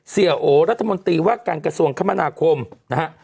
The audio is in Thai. โอรัฐมนตรีว่าการกระทรวงคมนาคมนะฮะ